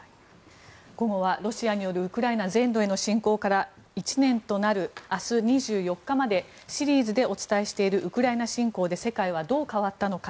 午後はロシアによるウクライナ全土への侵攻から１年となる明日２４日までシリーズでお伝えしているウクライナ侵攻で世界はどう変わったのか。